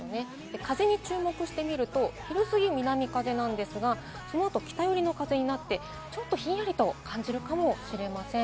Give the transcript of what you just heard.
風に注目してみると、昼すぎ南風なんですが、その後、北よりの風になって、ちょっとひんやりと感じるかもしれません。